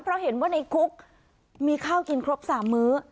เพราะเห็นว่าในคุกมีข้าวกินครบ๓มื้อ